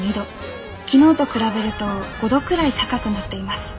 昨日と比べると５度くらい高くなっています。